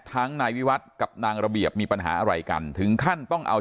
นายวิวัตรกับนางระเบียบมีปัญหาอะไรกันถึงขั้นต้องเอา